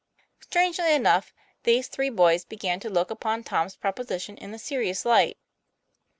Strangely enough, these three boys began to look upon Tom's proposition in a serious light.